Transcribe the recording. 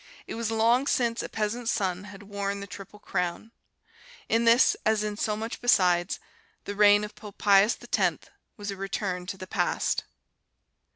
It was long since a peasant's son had won the Triple Crown. In this, as in so much besides, the reign of Pope Pius X was a return to the past."